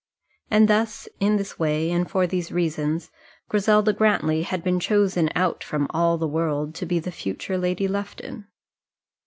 And thus, in this way, and for these reasons, Griselda Grantly had been chosen out from all the world to be the future Lady Lufton.